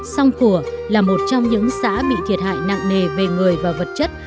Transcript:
song khủa là một trong những xã bị thiệt hại nặng nề về người và vật chất